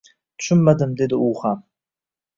Tushunmadim dedi u ham.